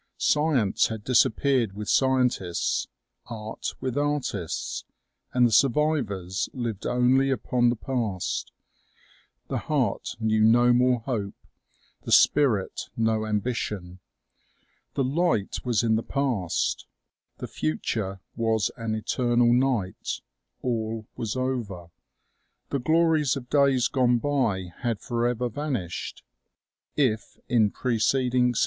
Science had disappeared with scientists, art with artists, and the survivors lived only upon the past. The heart knew no more hope, the spirit no ambition. The light was in the past ; the future was an eternal night. All was over. The glories of days gone by had forever vanished. If, in preceding cen 244 OMEGA.